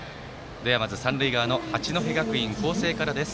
まずは三塁側の八戸学院光星からです。